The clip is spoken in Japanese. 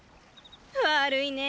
悪いね！